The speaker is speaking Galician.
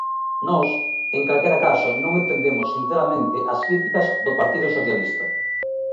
Nós, en calquera caso, non entendemos sinceramente as críticas do Partido Socialista.